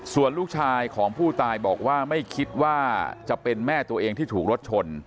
ส่วนลูกชายของผู้ตายบอกว่าไม่คิดว่าจะเป็นแม่ตัวเองที่ถูกรถชน